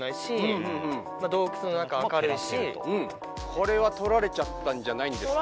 これはとられちゃったんじゃないんですか？